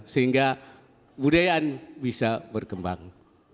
sehingga budaya bisa berkembang